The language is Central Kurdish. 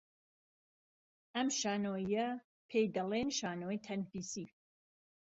ئەم شانۆییە پێی دەڵێن شانۆی تەنفیسی